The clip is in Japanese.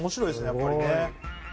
やっぱりね。